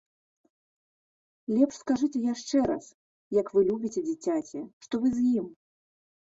Лепш скажыце яшчэ раз, як вы любіце дзіцяці, што вы з ім.